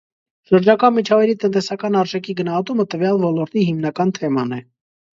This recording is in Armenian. Շրջակա միջավայրի տնտեսական արժեքի գնահատումը տվյալ ոլորտի հիմնական թեման է։